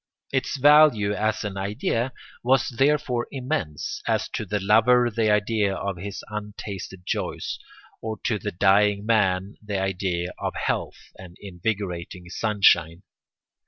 Its value as an idea was therefore immense, as to the lover the idea of his untasted joys, or to the dying man the idea of health and invigorating sunshine.